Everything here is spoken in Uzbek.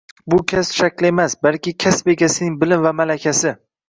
Bu kasb shakli emas, balki kasb egasining bilim va malakasi